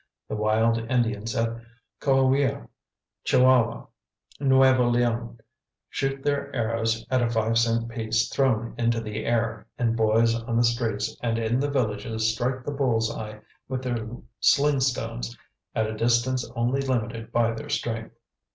The wild Indians of Coahuila, Chihuahua, and Nuevo Leon, shoot their arrows at a five cent piece thrown into the air; and boys on the streets and in the villages strike the bulls eye with their sling stones at a distance only limited by their strength.